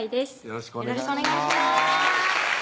よろしくお願いします